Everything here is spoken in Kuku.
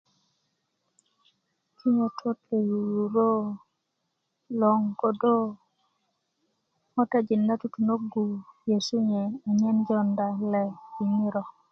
kinyotot lo yuyurö lo kodö ŋotejin na tutunögu nyesu nye anyen jonda le ti ŋiro